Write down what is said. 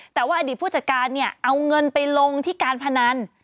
แต่ว่าอดีตผู้จัดการเนี่ยเอาเงินไปลงที่การพนัน